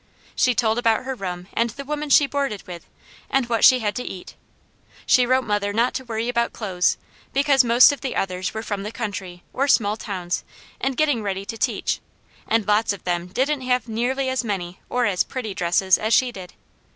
She told about her room and the woman she boarded with and what she had to eat; she wrote mother not to worry about clothes, because most of the others were from the country, or small towns, and getting ready to teach, and lots of them didn't have NEARLY as many or as pretty dresses as she did.